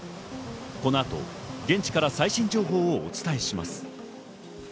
この後、現地から最新情報をお伝えします。